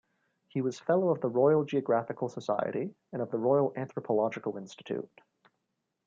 He was fellow of the Royal Geographical Society and of the Royal Anthropological Institute.